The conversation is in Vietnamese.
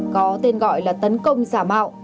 có tên gọi là tấn công giả mạo